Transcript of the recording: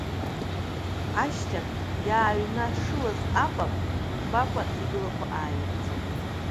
Ашьҭахь иааҩнашылаз апап имырбакәа, иблақәа ааирыцқьеит.